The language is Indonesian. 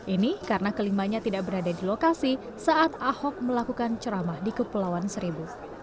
ini karena kelimanya tidak berada di lokasi saat ahok melakukan ceramah di kepulauan seribu